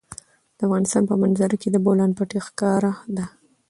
د افغانستان په منظره کې د بولان پټي ښکاره ده.